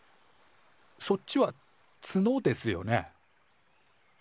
そっちはツノですよね？